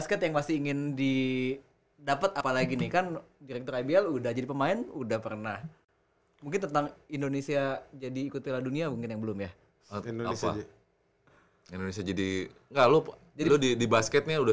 sampai jumpa di video selanjutnya